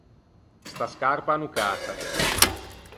Sta scarpa a no cäsa ben.